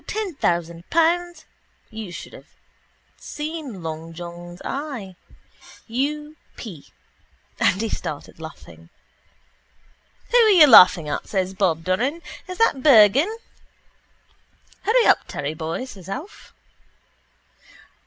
Ten thousand pounds. You should have seen long John's eye. U. p .... And he started laughing. —Who are you laughing at? says Bob Doran. Is that Bergan? —Hurry up, Terry boy, says Alf.